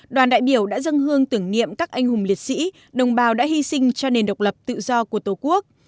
đoàn đại biểu đã dâng hương tưởng niệm các anh hùng liệt sĩ đồng bào đã hy sinh cho nền độc lập tự do của tổ quốc